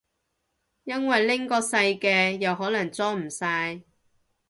因為拎個細嘅又可能裝唔晒